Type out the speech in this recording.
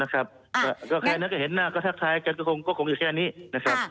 ก็ใครนั้นก็เห็นหน้าก็ทักทายกันก็คงอยู่แค่นี้นะครับ